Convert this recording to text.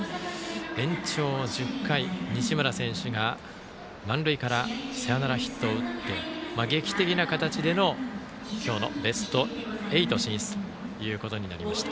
延長１０回、西村選手が満塁からサヨナラヒットを打って劇的な形での今日のベスト８進出ということになりました。